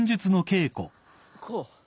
こう？